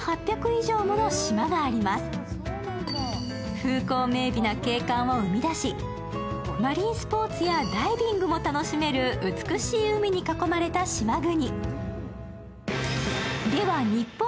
風光明媚な景観を生み出し、マリンスポーツやダイビングも楽しめる美しい海に囲まれた島国。